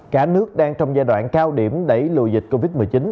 cả nước đang trong giai đoạn cao điểm đẩy lùi dịch covid một mươi chín